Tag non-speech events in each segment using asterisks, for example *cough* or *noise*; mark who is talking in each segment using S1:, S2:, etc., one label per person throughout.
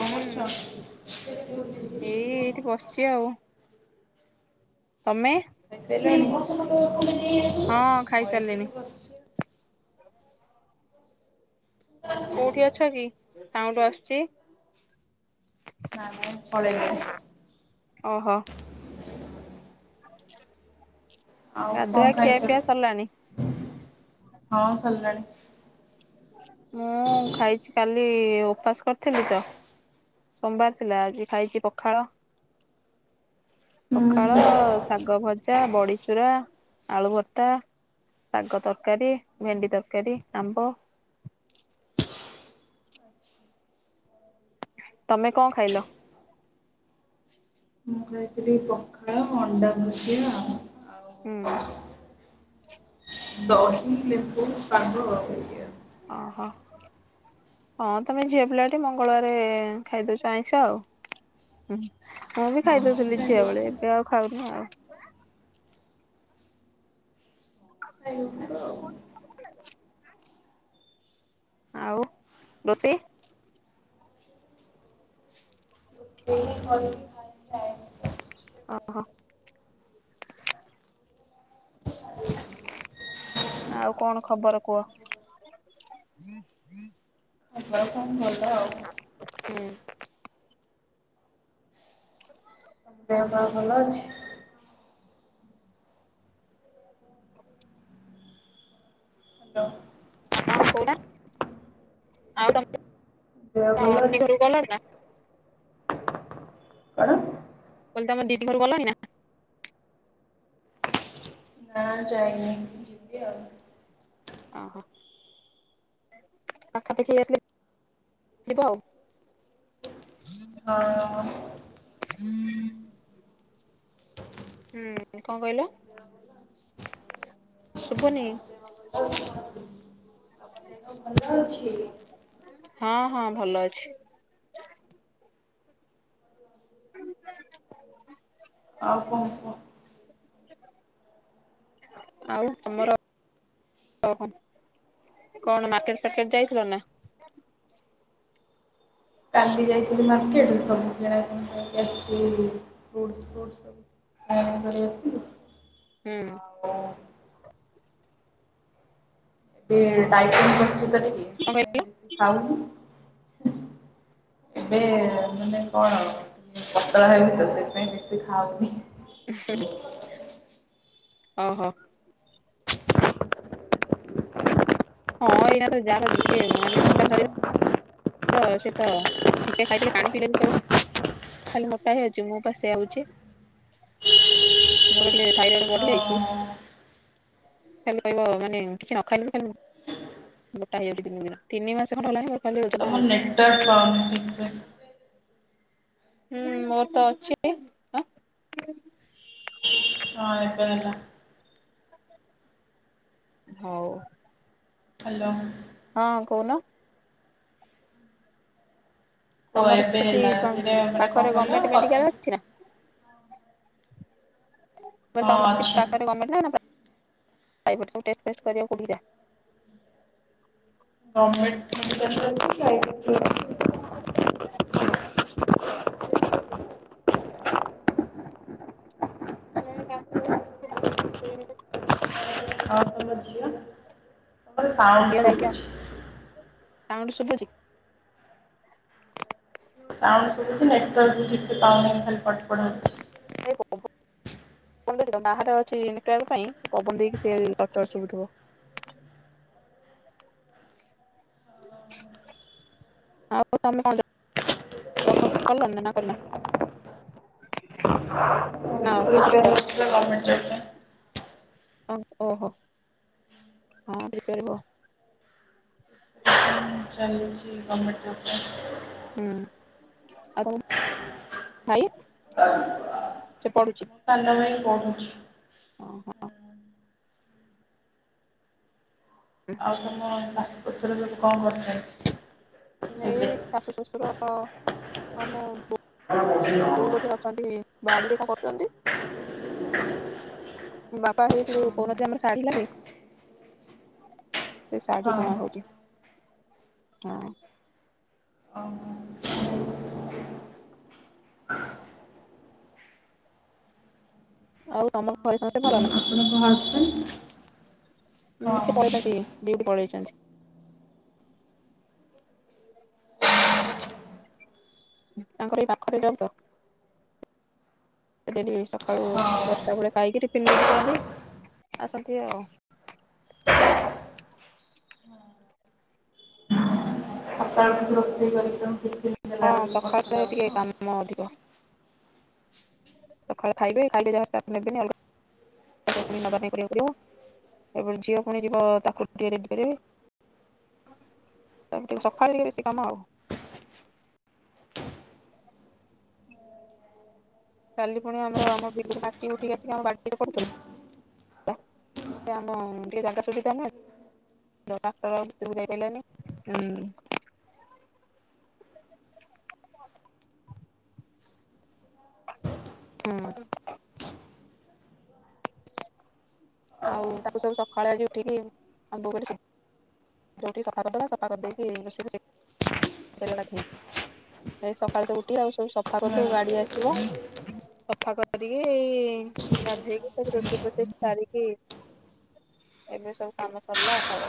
S1: ହୁଁ ଏଇ ଏଇଠି ବସିଛି ଆଉ ତମେ?
S2: ଖାଇ ସାଇଲଇଁ?
S1: ହଁ ଖାଇସାରିଲିଣି।
S2: ବସିଛି।
S1: କୋଉଠି ଅଛ କି ସାଉଣ୍ଡ ଆସୁ ଚି।
S2: ନା ନା ପଳେଇ ନାଇ
S1: ଓହୋ *unintelligible*
S2: ଆଉ କଣ
S1: ଗାଧୁଆ
S2: ଖାଇଛ?
S1: ଖିଆ ପିଇଆ ସରିଲାଣି?
S2: ହଁ ସଲିଲାଣି।
S1: ଏ ଉପାସ କରିଥିଲି ତ ସୋମବାର ଥିଲା ଆଜି ଖାଇଚି ପଖାଳ। ପଖାଳ ଶାଗ ଭ ଜା ବଡ଼ି ଚୁରା ଆଳୁ ଭର୍ତ୍ତା ଶାଗ ତରକାରୀ ଭେଣ୍ଡି ତରକାରୀ ଆମ୍ବ। ତମେ କଣ ଖାଇଲ?
S2: ମୁଁ ଖାଇଥିଲି ପଖାଳ ଅଣ୍ଡା ଭଜା ଆଉ
S1: ହୁଁ।
S2: ଦହି ଲେମ୍ବୁ ପାଗ *unintelligible*
S1: ଓହୋ ହଁ ତମେ ଝିଅ ପିଲାଟେ ମଙ୍ଗଳବାରେ ଖାଇଦଉଚ ଆଇଁଷ ଆଉ ହୁ ମୁଁ ବି
S2: ହଁ
S1: ଖାଇଦଉଥିଲି ଝିଅ ବେଳେ
S2: ଖାଇଦେଇଛି
S1: ଏବେ ଆଉ ଖାଉନି ଆଉ। *unintelligible*
S2: ଖାଇବୁ ତ ଆଉ।
S1: ଆଉ ରୋଷେଇ
S2: *unintelligible*
S1: ଓହୋ। ଆଉ କଣ ଖବର କୁହ?
S2: ଖବର କଣ ଭଲ ଆଉ। ତମ
S1: ହୁଁ। *unintelligible*
S2: ଦେହ ପାହ ଭଲ ଅଛି? ହାଲୋ।
S1: ହଁ କୋଉଟା? ଆଉ ତମ
S2: ଦେହ ଭଲ
S1: ହଁ *unintelligible*
S2: ଅଛି?
S1: ଘରୁ ଗଲଣି ନା?
S2: କଣ?
S1: ତମେ ତମ ଦିଦି ଘରୁ ଗଲଣି ନା?
S2: ନା ଯାଇନି ଯି
S1: ଓହୋ *unintelligible* ପାଖାପାଖି *unintelligible* ଯିବ ଆଉ।
S2: ହଁ।
S1: *inaudible* ହୁଁ କଣ କହିଲ? *inaudible* ଶୁଭୁନି।
S2: ଦେହ ଭଲ ଅଛି
S1: ହଁ ହଁ ଭଲ ଅଛି
S2: ଆ କ କ
S1: ଆଉ ତମର କଣ ମାର୍କେଟାର୍କେଟ ଯାଇଥିଲ ନା
S2: କାଲି ଯାଇଥିଲି ମାର୍କେଟରେ ସବୁକ ଜଣକି ଆସୁ ରୋପୋଟ୍ ଆସ ଆଉ
S1: ହୁଁ
S2: *inaudible* *inaudible* କରଛି ସେଥିପାଇ
S1: କଣ କହିଲ?
S2: ବେଶୀ ଖାଉନି ଏବେ ମାନେ କଣ ପତଳା ହେବି ତ ସେଥିପାଇ ବେଶୀ ଖାଉନି।
S1: ହ ଓ ହୋ ହଁ ଏଇଟା ତ ଯାହା ମାନେ ଗୋଟା ଶରୀ ସେ ତ ଟିକେ ଖାଇଥିଲେ ପାଣି ପିଇଲେୁ ଖାଲି ମୋଟା ହେଇଯାଉଛି ମୁ ପା ସେ ହଉଛି ମୋର ଥାଇରଏଡ ବଢିଯାଇଛି।
S2: ହଁ
S1: ଖେଲ କହିବ ମାନେ କିଛି ନ ଖାଇଲେ ବି ଖାଲି ମୋଟା ହେଇ ଯାଉଚି ଦିନକୁ ଦିନ ତିନି ମାସ ଖଣ୍ଡ ହେଲାଣି ଖାଲି ଓଜନ
S2: ତମର ନେଟୱାର୍କ ପାଉନି ଠିକସେ
S1: ହୁଁ ମୋର ତ ଅଛିବି *inaudible*
S2: ହଁ *inaudible*
S1: ହଉ
S2: ହ୍ୟାଲୋ
S1: ହଁ କହୁନ।
S2: କୁହ
S1: ତମର
S2: ଏବେ
S1: ସେଠି
S2: ହେଲା ସେଇଟା ମାନେ କଣ
S1: ପାଖରେ
S2: କହିଲ
S1: ଗରମେଣ୍ଟ
S2: କଥା
S1: ମେଡିକାଲ ଅଛି ନା?
S2: ହଁ
S1: ତମର
S2: ଅଛି।
S1: ପାଖରେ ଗମେଣ୍ଟ ନାପ୍ରାଇଭେଟ ଡାଇବେଟିସ ସବୁ ଟେଷ୍ଟ ଫେଷ୍ଟ କରିବାପାଇଁ କଉଠିକି ଯାଅ।
S2: ନ *unintelligible* *inaudible*
S1: ନା କାର୍ତ୍ତିକ
S2: ଆଉ ତମ ଝିଅ? ମୋର ସାଉଣ୍ଡ ସୁଭୁଛି।
S1: ତାଙ୍କଠୁ ଶିଖୁଛି।
S2: ସାଉଣ୍ଡ ଶୁଭୁଛି ନେଟୱାର୍କ ବି ଠିକସେ ପାଉନ ଖାଲି ପଠପଢା ଅଛି।
S1: ନାରେ ଅଛି ପାଇଁ ପବନ ଦେଇକି ସେି ଗଚ ଚୁଥିବ ଆଉ ତମେ କିଛି କରିଲନି ନା କରିନା। ନା
S2: ଟ
S1: ଖୋଜୁଛ
S2: *inaudible*
S1: ଓ ଓହୋ ହପିବ *unintelligible*
S2: ପାଇଁ ଚାଲିଛି ଗର୍ମେଣ୍ଟ ଜବପାଇଁ।
S1: ହୁଁ ଆଉ ଭାଇ ସେ ପଢୁଛି।
S2: ସାନଭାଇ ପଢୁଚି।
S1: ଓହୋ *inaudible*
S2: ଆଉତମ ସା ଓଷାରେ ରେ ଲୋକ କଣ କରିଥାନ୍ତି।
S1: ଏଇ ଶାଶୁ ଶ୍ୱଶୁର ଆମ
S2: ହଁ ହଁ ହଁ।
S1: ବୋଉମଧ୍ୟ ଅଛନ୍ତି ବାଡିରେ କଣ କରୁଛନ୍ତି। ବାପା ହେଇ କହୁନଥିଲି ଆମର ସାଢ଼ି ଲାଗି। ସେ ସାଢ଼ି ଗାଁକୁ ଯିବ। ହଁ ଆଉ ତମର ଘରେ ସମସ୍ତେ ଭଲ ନା?
S2: *unintelligible*
S1: ଉଁ ସେ ପଳେଇଛନ୍ତି ଡିୟୁଟି ପଳେଇେଇଛନ୍ତି। ତାଙ୍କର ଏଇ ପାଖରେ ଯାଉ ତ ସେି ସକାଳୁ
S2: ହଁ
S1: ଦଶଟା ବେଳେ ଖାଇକି ଟିଫିନ୍ ନେଇକି ପଳାନ୍ତି ଆସନ୍ତି ଆଉ
S2: ସକାଳୁ ଟିକ ରୋଷେଇ କରିଛ କି କି ଦେଲା
S1: ହଁ
S2: ବେଳକୁ କଷ୍ଟ
S1: ସକାଳେ ଟିକେ
S2: ଲାଗୁିବ ଆଉ।
S1: କାମ ଅଧିକ ସକାଳେ ଖାଇବେି ଖାଇଲି ଯାହା ତାକୁ ନେବେନି ଅ ନବା କରିବାକୁ ପଡିବ ଏପଟ ଝିଅ ପୁଣି ଯିବ ତାକୁ ଟିକେ ରେଡି କରିବି ତାପରେ ଟିକେ ସକାଳେ ବେଶୀ କାମ ଆଉ। କାଲି ପୁଣି ଆମର ଆମିଲ ମାଟି ଉଠିକି ଆ ଆମଡିରେୁ ଆମ ଟିକେ ଜାଗା ସୁବିଧା ନହଁକ୍ ଯାଇାନି ହୁଁ ଆଉ ତାକୁ ସବୁ ସକାଳେ ଆଜି ଉଠିକି ଆମ୍ବ ଯଉଠି ସଫା କରିଦବା ସଫା କରିଦେଇକି ରୋଷେଇକ ସକାଳେ ଉଠି ଆଉ। ସବୁ ସଫା କଲୁ
S2: ଆଉ।
S1: ଗାଡି ଆସିବ ସଫା କ କରିକି ଏଇ ଗାଧେଇକି ସବୁ ରୋସେଇ ଫୋସେଇ ସରିକି ଏବେି ସବୁ କାମ ସରିଲା ଆଉ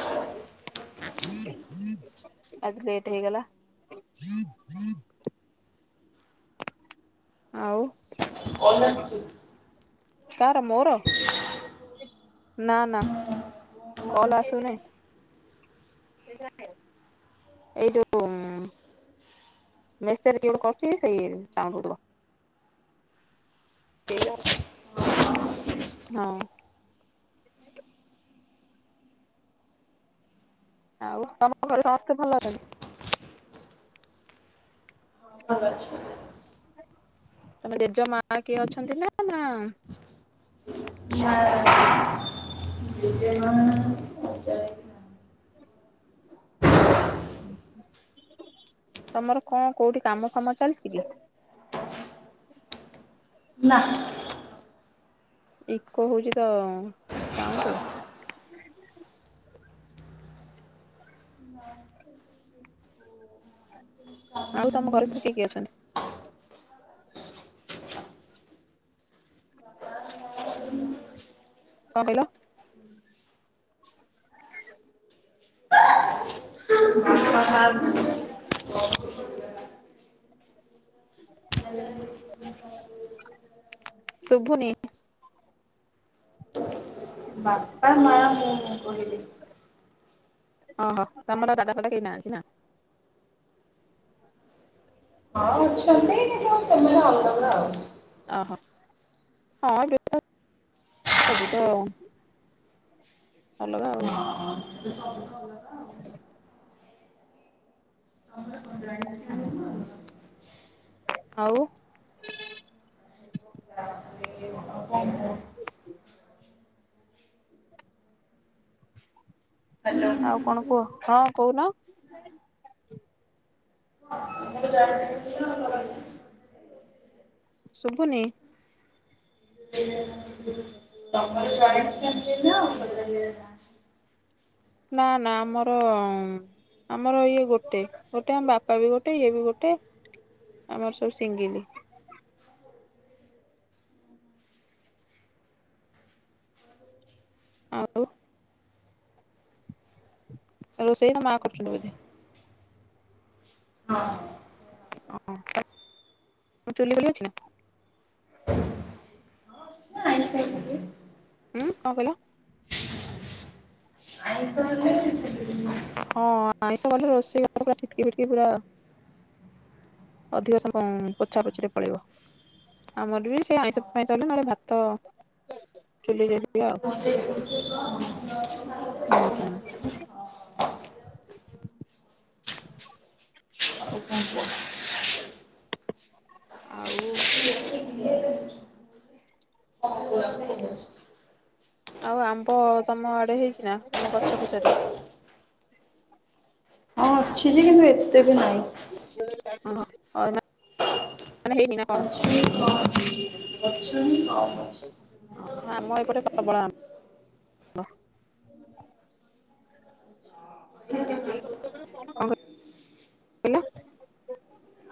S1: ଆଜି ଲେଟ ହେଇଗଲା ଆଉ
S2: ଓନା
S1: କାର ମୋର ନା ନା କଲ ଆସୁନି। ସେଟ ଏଇ ଯୋଉ ମେସେଜ ଗୋଟେ କରୁଛି ସେଇ ସାଙ୍ଗିବ *unintelligible* ହଁ ଆଉ ତମ ଘରେ ସମସ୍ତେ ଭଲ ଅଛନ୍ତି।
S2: ଭଲ ଅଛନ୍ତି।
S1: ତମ ଜେଜେ ମା କିଏ ଅଛନ୍ତି ନା ନା
S2: *unintelligible* ଜେଜେମା ନା।
S1: ତମର କଣ କୋଉଠି କାମ ଫାମ ଚାଲିଚି କି?
S2: ନା
S1: ଇକୋ ହଉଛି ତ ସାଉଣ୍ଡ ଆଉ ତମ ଘରେ ସବୁ କିଏ କିଏ ଅଛନ୍ତି? କଣ କହିଲ?
S2: *unintelligible*
S1: *unintelligible* ଶୁଭୁନି
S2: ବା ପା
S1: *unintelligible* ଓହୋ ତମର ଦାଦା ଫାଦା କେହି ନାହାନ୍ତି ନା
S2: ହଁ ଅଛନ୍ତିଛନ୍ତିଖିବ ସେମାନେ ଆଉଦବ ନା ଆଉ।
S1: ଅହୋ ହଁ *unintelligible* ସବୁ ତ ଅଲଗା ଆଉ।
S2: ହ୍ୟାଲୋ। ତମର ଜଏଣ୍ଟ ଫ୍ୟାମିଲି ନା?
S1: ଆଉ ଆଉ କଣ କୁହ ହଁ କହୁନ
S2: *unintelligible*
S1: ଶୁଭୁନି
S2: *unintelligible*
S1: ନା ନା ଆମର ଆମର ଇଏ ଗୋଟେ ଗୋଟେ ଆମ ବାପା ବି ଗୋଟେ ଇଏ ବି ଗୋଟେ ଆମର ସବୁ ସିଙ୍ଗିଲ। ଆଉ ରୋଷେଇ ତ ମା କରୁଛନ୍ତି ବୋଧେ *unintelligible*
S2: ହଁ।
S1: ହୁଁ କଣ କହିଲ?
S2: ଆଇ ତ ହେଲେ ଆଉ
S1: ହଁ ଆଇଁଷ କଲେ ରୋଷେଇ ଘର ପୁରା ଛିଟକି ଫିଟକି ପୁରା ଅଧିକ ସମ ପୋଛା ପୋଛିରେ ପଳେଇବ ଆମର ବି ସେ ଆଇଁଷ ପାଇଁସ ହେଲେ ନହେଲେ ଭାତ ଚୁଲିରେ
S2: *inaudible*
S1: ହୁଁ ହୁଁ *inaudible*
S2: ଆଉ କଣ କୁହ?
S1: ଆଉ ଆଉ ଆମ୍ବ ତମ ଆଡେ ହେଇଛି ନା ତମ ଗଛ ପଛରେ?
S2: ହଁ ଅଛି ଯେ କିନ୍ତୁ ଏତେ ବି ନାହିଁ।
S1: ଅହ ନା ମାନେ ହେଇନି ନା କଣ?
S2: ଅଛି କମ୍ ଅଛି ଗଛ ବି କମ୍ ଅଛି।
S1: ହଁ ଆମ ଏପଟେ ପ୍ରବଳ ଆମ୍ୱ ଆମ୍ୱ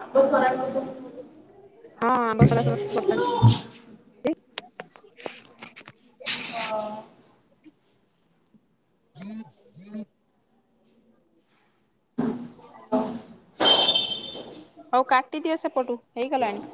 S2: ଆମ୍ବ ସରା କରିଦେବୁ।
S1: *inaudible* ଆଉ କାଟିଦିଅ ସେପଟୁ ହେଇଗଲାଣି।